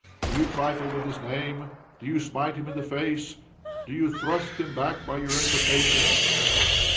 Do you trifle with his name? Do you smite him in the face? Do you thrust him back by your imprecations?